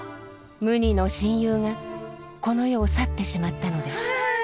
無二の親友がこの世を去ってしまったのです。